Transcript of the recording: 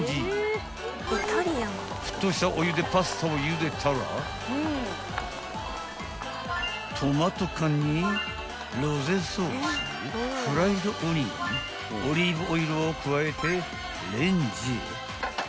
［沸騰したお湯でパスタをゆでたらトマト缶にロゼソースフライドオニオンオリーブオイルを加えてレンジへ］